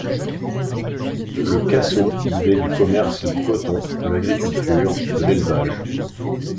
Le Khasso vivait du commerce du coton, de l'agriculture, de l'élevage.